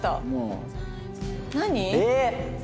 何？